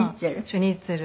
シュニッツェル。